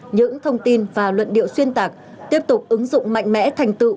những thông tin và luận điệu xuyên tạc tiếp tục ứng dụng mạnh mẽ thành tựu